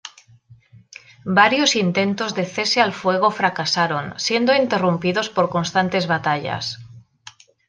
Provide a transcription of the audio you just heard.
Varios intentos de cese al fuego fracasaron, siendo interrumpidos por constantes batallas.